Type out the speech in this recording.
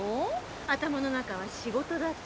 頭の中は仕事だけ。